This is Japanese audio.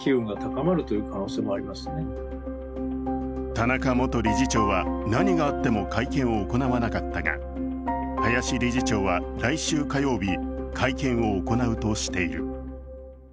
田中元理事長は何があっても会見を行わなかったが林理事長は、来週火曜日会見を行うとしている。